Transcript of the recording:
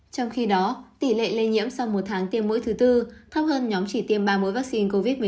trong khi đó tỷ lệ lây nhiễm sau một tháng tiêm mũi thứ tư thấp hơn nhóm chỉ tiêm ba mũi vaccine covid một mươi chín